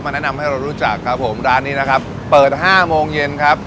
แนะนำให้เรารู้จักครับผมร้านนี้นะครับเปิดห้าโมงเย็นครับ